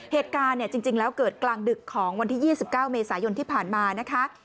เหตุการณ์เนี่ยจริงแล้วเกิดกลางดึกของวันที่๒๙เมษายนที่ผ่านมานะคะ